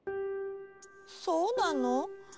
そうなの？